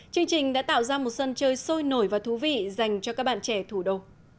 chương trình đã tạo ra một sân chơi sôi nổi và thú vị dành cho các bạn trẻ thủ đô